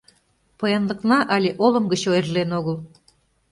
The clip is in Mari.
Поянлыкна але олым гыч ойырлен огыл.